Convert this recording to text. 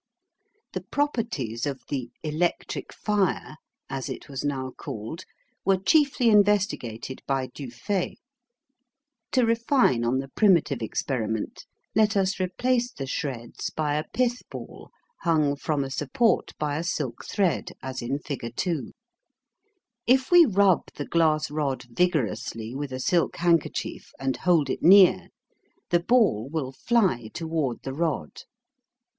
The properties of the "electric fire," as it was now called, were chiefly investigated by Dufay. To refine on the primitive experiment let us replace the shreds by a pithball hung from a support by a silk thread, as in figure 2. If we rub the glass rod vigorously with a silk handkerchief and hold it near, the ball will fly toward the rod.